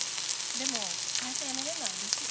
でも会社辞めれるのはうれしい。